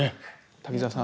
滝沢さん。